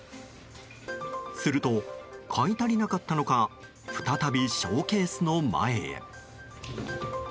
すると、買い足りなかったのか再びショーケースの前へ。